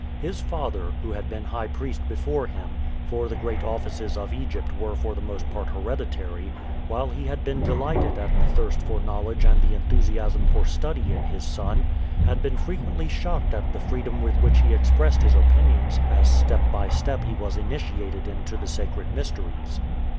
His father, who had been high priest before him for the great offices of Egypt were for the most part hereditary while he had been delighted at the thirst for knowledge and the enthusiasm for study in his son, had been frequently shocked at the freedom with which he expressed his opinions as step by step he was initiated into the sacred mysteries.